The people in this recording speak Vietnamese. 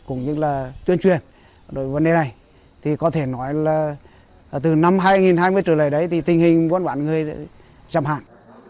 cũng như là tuyên truyền đối với vấn đề này thì có thể nói là từ năm hai nghìn hai mươi trở lại đấy thì tình hình của bản người đã giảm hạn